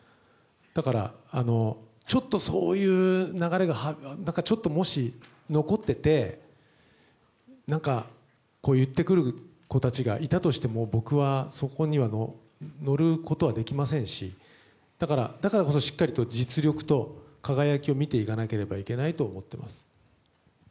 だから、ちょっとそういう流れがもし残っていて何か言ってくる子たちがいたとしても僕は、そこには乗ることはできませんしだからこそ、しっかりと実力と輝きを見ていかなければいけないと思っています。